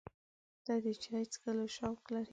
ته د چای څښلو شوق لرې؟